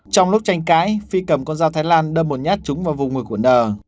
trong lúc tranh cãi phi cầm con dao thái lan đâm một nhát trúng vào vùng ngực của n